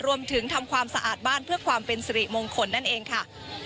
รวมถึงทำความสะอาดบ้านเพื่อความเป็นสิริมงคลนั่นเองค่ะ